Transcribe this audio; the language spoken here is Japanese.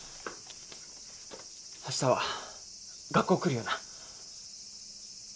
明日は学校来るよな？